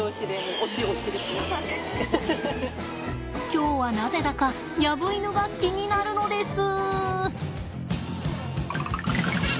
今日はなぜだかヤブイヌが気になるのです。